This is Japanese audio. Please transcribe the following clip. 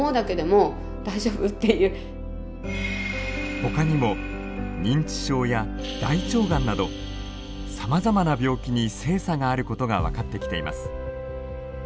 ほかにも認知症や大腸がんなどさまざまな病気に性差があることが分かってきています。